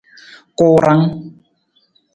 Kuurang.